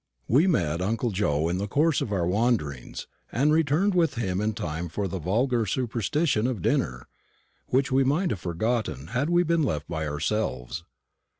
We met uncle Joe in the course of our wanderings, and returned with him in time for the vulgar superstition of dinner, which we might have forgotten had we been left by ourselves.